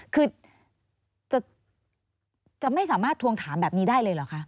คือจะไม่สามารถทวงถามแบบนี้ได้เลยเหรอคะ